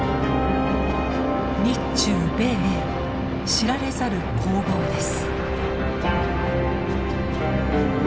日中米英知られざる攻防です。